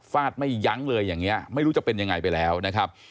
ฟาดไม่ยั้งเลยอย่างนี้ไม่รู้จะเป็นยังไงไปแล้วนะครับ